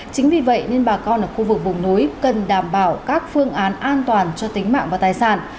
chính vì vậy nên bà con ở khu vực vùng núi cần đảm bảo các phương án an toàn cho tính mạng và tài sản